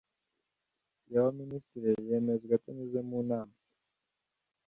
y abaminisitiri yemezwa atanyuze mu nama